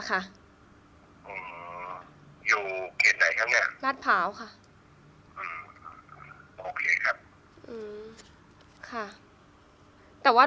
คุณพ่อได้จดหมายมาที่บ้าน